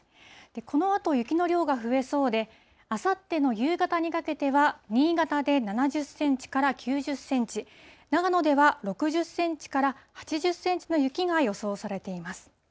このあと、雪の量が増えそうで、あさっての夕方にかけては新潟で７０センチから９０センチ、長野では６０センチから８０センチの雪が予想されています。